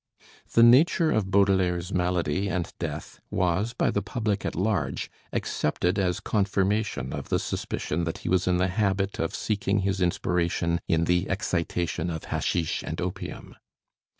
The nature of Baudelaire's malady and death was, by the public at large, accepted as confirmation of the suspicion that he was in the habit of seeking his inspiration in the excitation of hashish and opium.